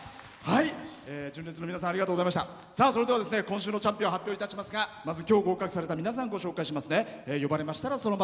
それでは、今週のチャンピオン発表いたしますがきょう合格された皆さんご紹介しますね。